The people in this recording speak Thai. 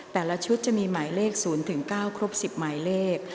แต่ละชุดจะมีหมายเลข๐๙ครบ๑๐หมายเลข